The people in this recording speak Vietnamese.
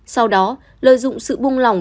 sau đó lợi dụng sự bung lỏng